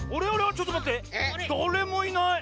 ちょっとまってだれもいない！